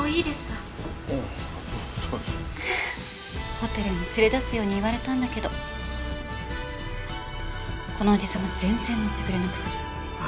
ホテルに連れ出すように言われたんだけどこのおじ様全然乗ってくれなくて。